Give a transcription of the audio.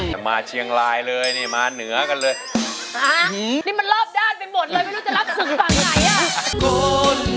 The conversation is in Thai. จะมาเชียงรายเลยนี่มาเหนือกันเลยนี่มันรอบด้านไปหมดเลยไม่รู้จะรับศึกฝั่งไหนอ่ะคุณ